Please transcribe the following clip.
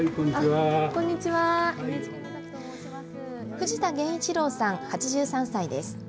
藤田源一郎さん、８３歳です。